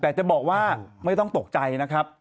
แต่จะบอกว่าไม่ต้องตกใจนะครับ